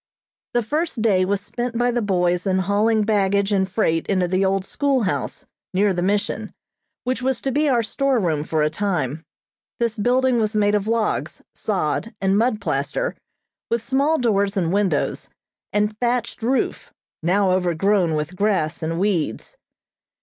The first day was spent by the boys in hauling baggage and freight into the old school house, near the mission, which was to be our store room for a time. This building was made of logs, sod and mud plaster, with small doors and windows, and thatched roof, now overgrown with grass and weeds.